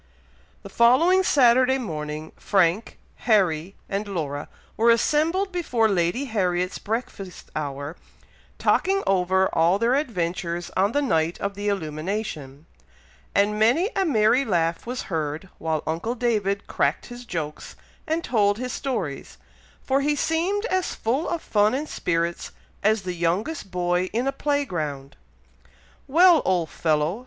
The following Saturday morning, Frank, Harry, and Laura were assembled before Lady Harriet's breakfast hour, talking over all their adventures on the night of the illumination; and many a merry laugh was heard while uncle David cracked his jokes and told his stories, for he seemed as full of fun and spirits as the youngest boy in a play ground. "Well, old fellow!"